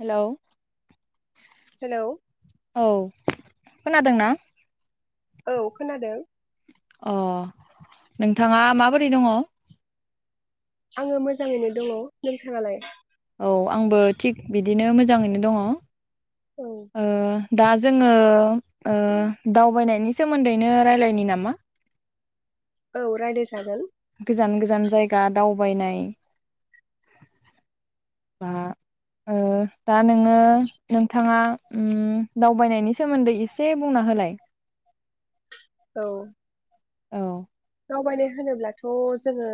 Hello. Hello औ। खोनादोंना? औ खोनादों। अ नोंथाङा माबोरै दङ। आङो मोजाङैनो दङ नोंथाङालाय? औ आंबो थिग बिदिनो मोजाङैनो दङ। औ। दा जोङो ओ दावबायनायनि सोमोन्दैनो रायलायनि नामा? औ रायलाय जागोन। गोजान गोजान जायगा दावबायनाय बा ओ नोङो नोंथाङा उम दावबायनायनि सोमोन्दै एसे बुंना होलाय? औ। औ। दावबायनाय होनोब्लाथ' जोङो।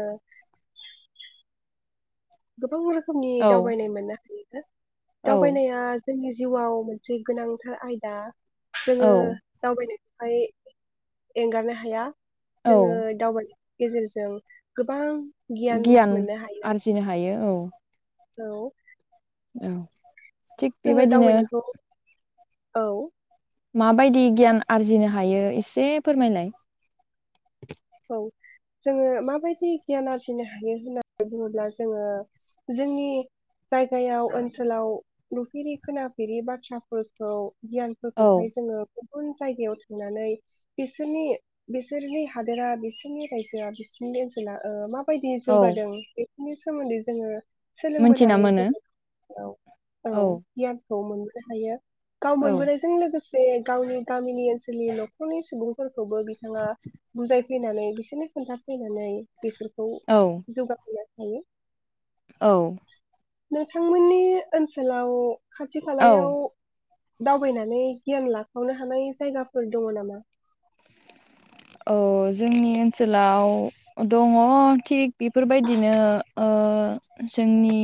गोबां रोख खोमनि औ दावबायनाय मोननो हायो। औ दावबायनाया। जोंनि जिउआव मोनसे गोनांथार आयदा। जोङो औ दावबायनो हाय एंगारनो हाया। औ जोङो दावबाय गेजेरजों गोबां गियान मोननो हायो आरजिनो हायो औ। [unintelligible] औ औ थिग जोङो बेबायदिनो दावबायनायखौ औ माबायदि गियान आरजिनो हायो एसे फोरमायलाय? औ जोङो माबायदि गियान आरजिनो हायो होननानै बुङोब्ला जोङो जोंनि जायगायाव ओनसोलाव नुफेरि खोनाफेरि बाथ्राफोरखौ औ गियानफोरखौहाय जोङो गुबुन जायगायाव थांनानै बिसोरनि बिसोरनि हादोरा बिसोरनि रायजोआ बिसोरनि ओनसोला ओ मा बायदि औ जौगादों बे नि सोमोन्दै जोङो मोनथिना सोलोंबोनानै मोनो जोङो औ औ गियान खौ मोननो हायो। गाव औ मोनबोनायजों लोगोसे से गावनि गामिनि ओनसोलनि न'खरनि सुबुंफोरखौबो बिथाङा बुजायफैनानै बिसोरनो खोन्थाफैनानै बिसोरखौ औ जौगाहैया हायो। औ नोंथांमोननि ओनसोलाव। खाथि औ खालायाव। दावबायनानै गियान लाखावनो हानाय जायगाफोर दङ नामा। औ जोंनि ओनसोलाव दङ थिग। बेफोरबायदिनो। ओ जोंनि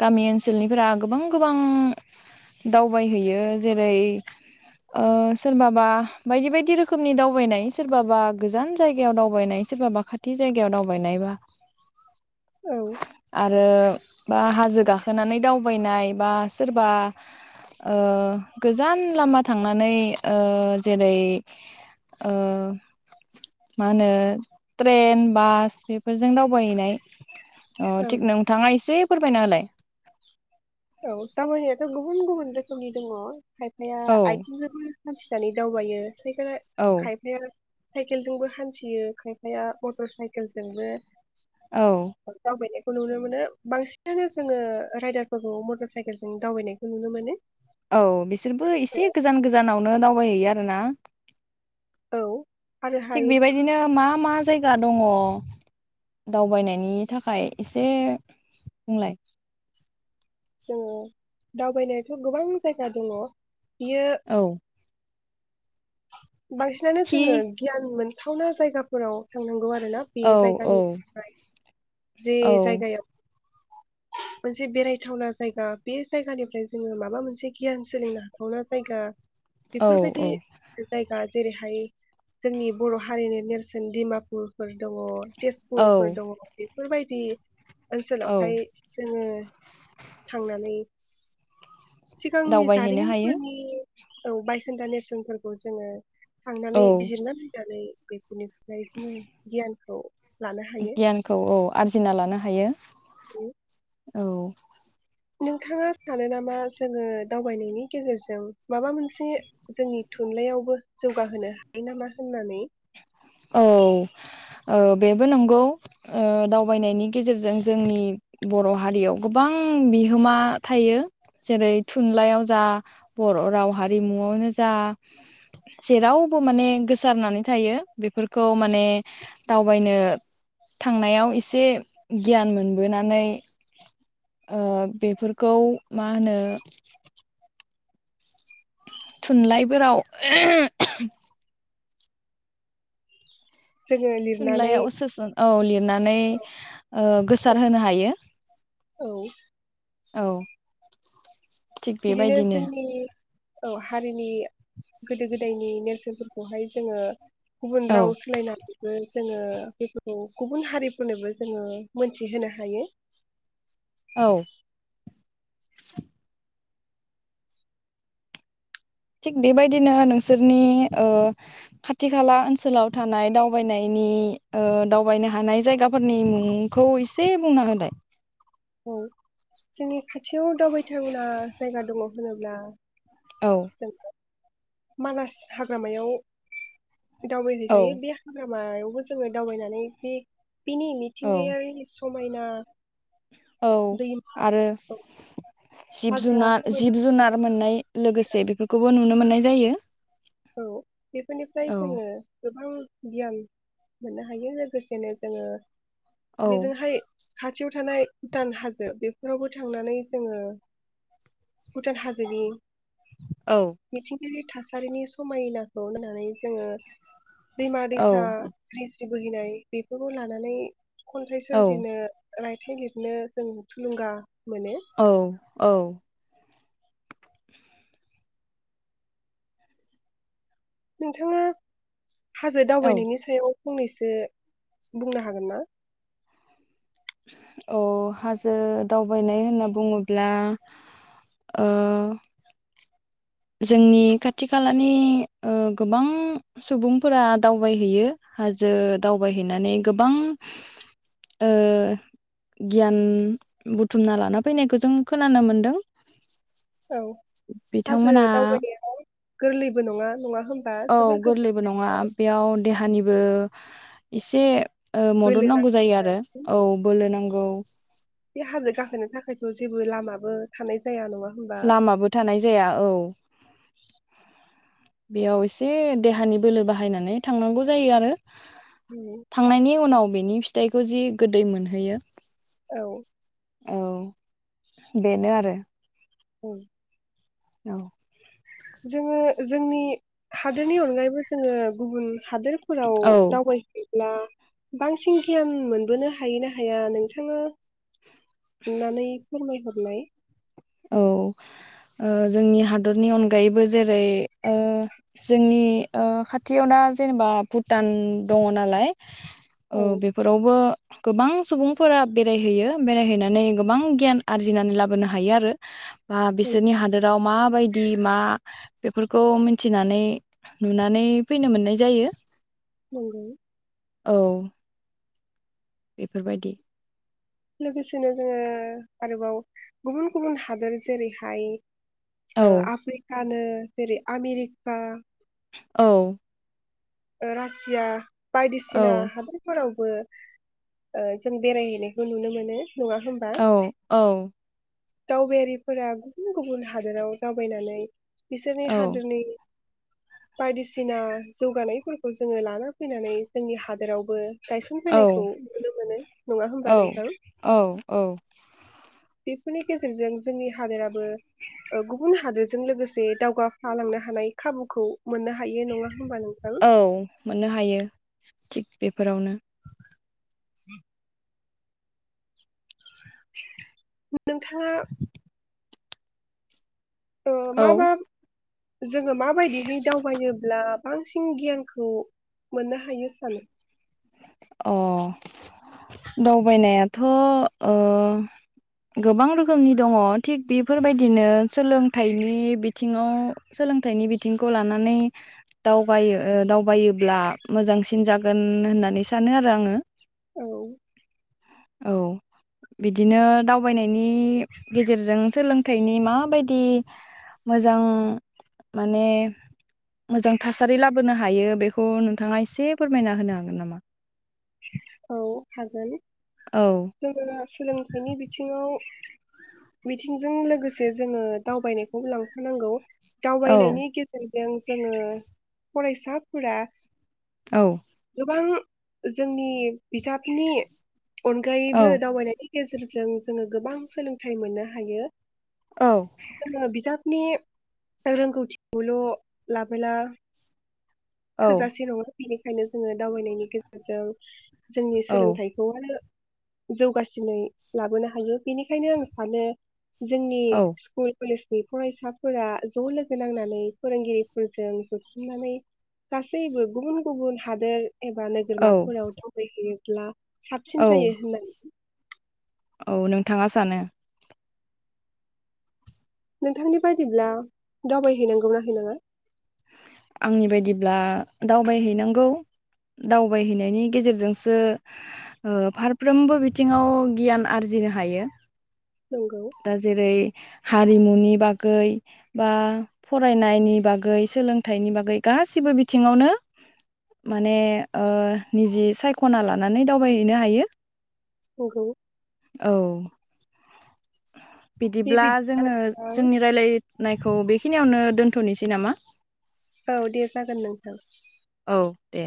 गामि ओनसोलनिफोरा गोबां गोबां दावबायहैयो जेरै ओ सोरबाबा बायदि बायदि रोखोमनि दावबायनाय। सोरबाबा गोजान जायगायाव दावबायनाय सोरबाबा खाथि जायगायाव दावबायनायबा। औ। आरो बा हाजो गाखोनानै दावबायनाय बा सोरबा ओ गोजान लामा थांनानै ओ जेरै ओ। मा होनो ट्रेन बास बेफोरजों दावबायहैनाय। अ औ थिग नोंथाङा एसे। फोरबायना होलाय। औ दावबायनायाथ' गो गुबुन गुबुन रोखोमनि दङ। खायफाया औ आइथिं जबो। खाथि खालि दावबायो। ख औ खायफाया। साइकेलजोंबो हान्थियो खायफाया मटर साइकेलजोंबो। औ [unintelligible] खौ नुनो मोनो बांसिनानो जोङो रायदार। फोर मटर साइकेलजों दावबायनायखौ नुनो मोनो। औ बिसोरबो एसे गोजान गोजानावनो दाउ। [unintelligible] आरो ना। औ। आरोहाय थिग बेबायदिनो मा। मा जायगा दङ दावबायनायनि थाखाय एसे बुंलाय। जोङो दावबायनायाथ' गोबां जायगा दङ। यो। औ बांसिनानो थि जोङो गियान मोन। थावना जायगाफोराव। थांनांगौ आरो ना बे औ औ जायगानिफ्राय जे औ जायगायाव। मोनसे बेरायथावना जायगा बे जायगानिफ्राय जोङो माबा मोनसे गियान सोलोंनो हाथावना जायगा। औ बेफोरबायदि -औ-। जायगा जेरैहाय जोंनि बर' हारिनि नेरसोन दिमापुफोर दङ'। औ तेजपुरफोर दङ अफि। फोरबायदि। औ ओनसोलावहाय जोङो। थांनानै सिगांनि दावबायहैनो हायो जारिमिनफोरनि औ बायखोन्दा नेरसोनफोरखौ जोङो थांनानै औ बिजिरना नायनानै बेदिनो दा इदिनो गियान औ गियानखौ औ आर्जिना लानो हायो। उम औ नोंथाङा सानो नामा जोङो दावबायनायनि गेजेरजों माबा मोनसे जोंनि थुनलाइयावबो जौगाहोनो हायो नामा होननानै? औ ओ बेबो नंगौ ओ दावबायनायनि गेजेरजों जोंनि बर' हारियाव गोबां बिहोमा थायो जेरै थुनलाइयाव जा बर' राव हारिमुआवनो जा जेरावबो माने गोसारनानै थायो। बेफोरखौ माने दावबायनो थांनायाव एसे गियान मोनबोनानै ओ बेफोरखौ मा होनो थुनलाइफोराव जोङो लिरनानै थुनलाइयाव सोसन औ लिरनानै ओ गोसार होनो हायो। औ औ थिग बिदिनो बेबायदिनो जोंनि औ हारिनि गोदो गोदायनि नेरसोफोरखौहाय जोङो। गुबुन औ राव सोलायनानैबो जोङो बेफोरखौ गुबुन हारिफोरनोबो जोङो मोनथिहोनो हायो। औ थिग बेबायदिनो नोंसोरनि ओ खाथि खाला ओनसोलाव थानाय दावबायनायनि ओ दावबायनो हानाय जायगाफोरनि मुंखौ एसे बुंना होलाय। औ जोंनि खाथियाव दावबाय थावना जायगा दङ। बुङोब्ला औ दङ मानास हाग्रामायाव औ दावबायहैजायो बे हाग्रामायाव बो जोङो दावबायनानै बे बिनि औ मिथिंगायारि स मायना [inaudible] औ आरो जिब हाग्रा जुनार जिब समायना जुनार मोननाय लोगोसे बेफोरखौबो नुनो मोननाय जायो औ बेफोरनिफ्राय औ जोङो गोबां गियान मोननो हायो लोगोसेनो जोङो औ बेजोंहाय खा थियाव थानाय भुटान हाजो बेफोरावबो थांनानै जोङो भुटान हाजोनि औ गानि थासारिनि समायनाखौ होनानै जोङो दैमा औ दैसा बोहैनाय बेफोरखौ लानानै खन्थाइ औ सोरजिनो रायथाइ लिरनो जों थुलुंगा मोनो औ औ नोंथाङा हाजो औ दावबायनायनि सायाव फंनैसो बुंनो हागोनना? अ' हाजो दावबायनाय होनना बुङोब्ला ओ जोंनि खाथि खालानि ओ गोबां सुबुंफोरा दावबायहैयो हाजो दावबायहैनानै गोबां ओ गियान बुथुमना लाना फैनायखौ जों खोनानो मोनदों। औ बिद हाजो दावबायनायाव गोरलैबो नङा नङा होमबा औ जोबोर गोरलैबो गोब्राब नङा जायो बेयाव देहानिबो एसे ओ मदद नांगौ जायो आरो औ बोलो नां गौ बे हाजो गाखोनो थाखायथ' जेब बो लामाबो थानाय जाया नङा होमबा लामाबो थानाय जाया औ। बेयाव एसे देहानि बोलो बाहायनानै थांनांगौ जायो आरो। उम, थांनायनि उनाव बेनि फिथ थाइखौ जि गोदै मोनहोयो। औ औ बेनो आरो। उम औ जोङो जोंनि हादोरनि अनगायैबो जोङो गुबुन हादोरफोराव औ दावबाय है ब्ला बांसिन गियान मोनबोनो हायोना हाया नोंथांङा अननानै फोरमाय हरलाय? औ ओ जोंनि हादरनि अनगायैबो जेरै ओ जोंनि ओ खाथियावना जेनेबा भुटान दंङ नालाय औ बेफोरावबो गोबां सुबुंफोरा बेरायहैयो बेरायहैनानै गोबां गियान आरजिनानै लाबोनो हायो आरो। बा नंगौ बिसोरनि हादोराव मा बाय दिमा बेफोरखौ मिनथिनानै नुनानै फैनो मोननाय जायो। नंगौ। औ बेफोर बायदि लोगोसेनो जोङो आरोबाव गुबुन गुबुन हादोर जेरै हाय औ ओ आफ्रिक कानो जेरै आमेरिका औ ओ रासिया औ बायदिसिना हादरफोराव बो ओ जों बेराय हैनायखौ नुनो मोनो नङा होमबा औ औ दावबायारिफोरा गुबुन गुबुन हादोराव दावबायनानै बिसोरनि औ हादोरनि बायदिसिना जौगानाय फोरखौ जोङो लाना फैनानै जोंनि हादोरावबो गायसन फैनायखौ नुनो मोनो नंङा औ होमबा नोंथां? औ बेफोरनि गेजेरजों जोंनि हादोराबो ओ गुबुन हादोरजों लोगोसे दावगाफालांनो हानाय खाबुखौ मोननो हायो नंङा होमबा नोंथां? औ मोननो हायो थिग बेफोरावनो [inaudible] [inaudible] नोंथांङा ओ औ मा मा? जोङो माबायदिहै दावबायोब्ला बांसिन गियानखौ मोननो हायो सानो अ दावबायनायाथ' ओ गोबां रोखोमनि दंङ थिग बेफोरबायदिनो सोलोंथाइनि बिथिंङाव सोलोंथाइनि बिथिंखौ लानानै दावाबायो ओ दावबायोब्ला मोजांसिन जागोन होननानै सा सानो आरो आंङो औ औ बिदिनो दावबायनायनि गेजेरजों सोलोंथाइनि माबायदि मोजां माने मोजां थासारि लाबोनो हायो बेखौ नोंथांङा एसे फोरमायना होनो हागोन नामा? औ हागोन औ जोंङो सोलोंथाइनि बिथिंङाव मिथिंजों लोगोसे जोंङो दावबायनायखौ लांफानांगौ औ दावबायनायनि गेजेरजों जोंङो फरायसाफोरा औ गोबां जोंनि बिजाबनि अनगायैबो औ दावबायनानै गेजेरजों जोङो गोबां सोलोंथाइ मोननो हायो औ जोंङो बिजा नि रोंगौथिखौल' लाबोला औ थोजासे नङा बेनिखायनो जोङो दावबायनायनि गेजेरजों जोंनि औ सोलोंथाइखौ आरो जौगासिनै लाबोनो हायो बेनिखायनो आं सानो जोंनि औ स्कुल कलेज बे फरायसाफोरा ज' लोगो नांनानै फोरोंगिरिफोरजों जथुमनानै गासैबो गुबुन गुबुन हादोर एबा औ नोगोरमाफोराव दावबायहैयो। ला औ साबसिन जायो होननान औ नोंथाङा सानो? नोंथांनि बायदिब्ला दावबायहैनांगौना हैनाङा? आंनि बायदिब्ला दावबायहैनांगौ दावबायहैनायनि गेजेरजोंसो ओ फारफ्रोमबो बिथिङाव गियान आरजिनो हायो। नंगौ दा जेरै हारिमुनि बागै बा फरायनायनि बागै सोलोंथाइनि बागै गासिब्बो बिथिङावनो माने ओ निजि सायख'ना लानानै दावबायहैनो हायो। नोंगौ। औ बे बिदिब्ला जोङो बिदिबा जोंनि रायलाय नायखौ बेखिनियावनो दोनथ'निसै नामा? औ दे जागोन नोंथां। औ दे